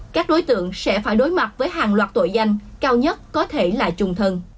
các đối tượng sẽ phải đối mặt với hàng loạt tội danh cao nhất có thể là trùng thần